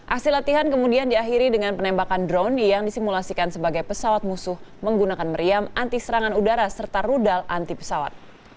aksi latihan kemudian diakhiri dengan penembakan drone yang disimulasikan sebagai pesawat musuh menggunakan meriam antisarangan udara serta rudal antipesawat